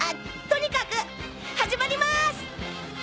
とにかく始まります！